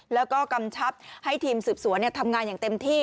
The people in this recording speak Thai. แล้วก็กำชับให้ทีมสืบสวนทำงานอย่างเต็มที่